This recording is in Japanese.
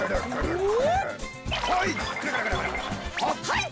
はい！